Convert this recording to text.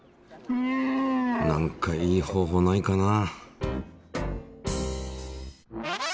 なんかいい方法ないかな？